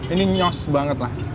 ini nyos banget lah